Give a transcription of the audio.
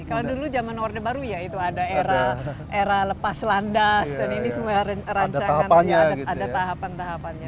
kalau dulu zaman orde baru ya itu ada era lepas landas dan ini semua rancangannya ada tahapan tahapannya